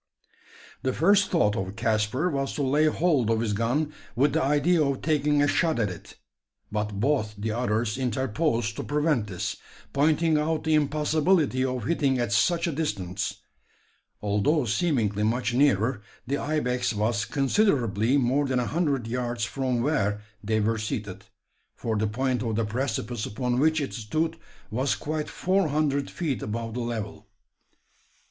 The first thought of Caspar was to lay hold of his gun with the idea of taking a shot at it; but both the others interposed to prevent this pointing out the impossibility of hitting at such a distance. Although seemingly much nearer, the ibex was considerably more than a hundred yards from where they were seated: for the point of the precipice upon which it stood was quite four hundred feet above the level.